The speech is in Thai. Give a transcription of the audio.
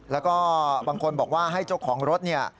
แล้วก็บางคนบอกว่าให้เจ้าของรถเนี่ย